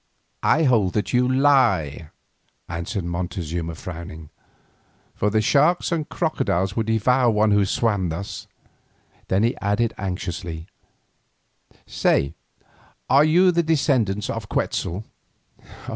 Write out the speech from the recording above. "I hold that you lie," answered Montezuma frowning, "for the sharks and crocodiles would devour one who swam thus." Then he added anxiously, "Say, are you of the descendants of Quetzal?"